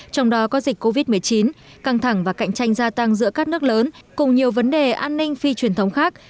trong đó có dịch covid một mươi chín căng thẳng và cạnh tranh gia tăng giữa các nước lớn cùng nhiều vấn đề an ninh phi truyền thống khác